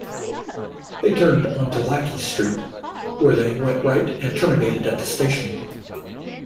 They turned onto Lackey Street, where they went right and terminated at the station.